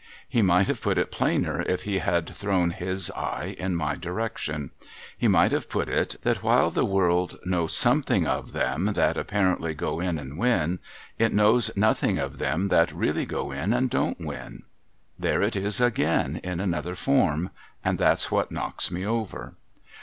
He might have put it plainer if he had thrown his eye in my direction. He might have put it, that while the world knows something of them that apparently go in and win, it knows nothing of them that really go in and don't win. I'here it is again in another form — and that's what knocks me over.